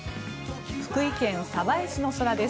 福井県鯖江市の空です。